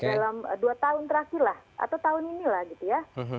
dalam dua tahun terakhirlah atau tahun inilah gitu ya